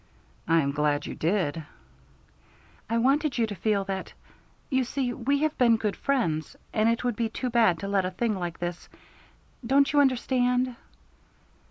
"I am glad you did." "I wanted you to feel that you see we have been good friends, and it would be too bad to let a thing like this don't you understand?"